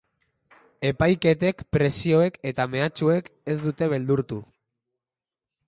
Epaiketek, presioek eta mehatxuek ez dute beldurtu.